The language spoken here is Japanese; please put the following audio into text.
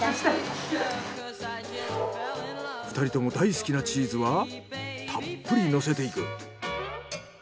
２人とも大好きなチーズはたっぷり乗せていく。